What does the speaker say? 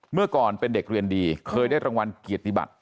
เมื่อก่อนเป็นเด็กเรียนดีเคยได้รางวัลเกียรติบัติ